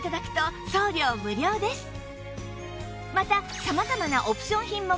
また様々なオプション品もご用意